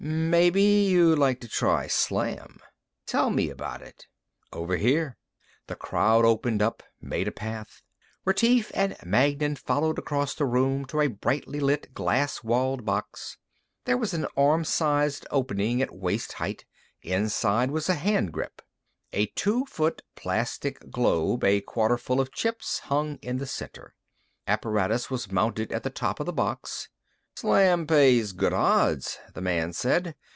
"Maybe you'd like to try Slam." "Tell me about it." "Over here." The crowd opened up, made a path. Retief and Magnan followed across the room to a brightly lit glass walled box. There was an arm sized opening at waist height. Inside was a hand grip. A two foot plastic globe a quarter full of chips hung in the center. Apparatus was mounted at the top of the box. "Slam pays good odds," the man said.